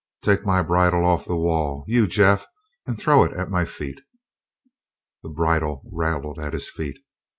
"Take my bridle off the wall, you, Jeff, and throw it at my feet." The bridle rattled at his feet.